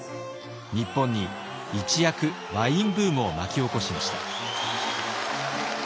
日本に一躍ワインブームを巻き起こしました。